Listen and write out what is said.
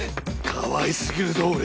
かわいすぎるぞ俺。